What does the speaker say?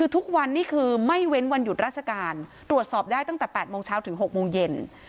ทุกวันนี้คือไม่เว้นวันหยุดราชการตรวจสอบได้ตั้งแต่๘โมงเช้าถึง๖โมงเย็น